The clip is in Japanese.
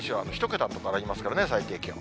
１桁の所ありますからね、最低気温。